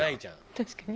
確かに。